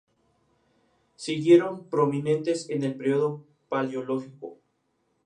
Absorción intestinal.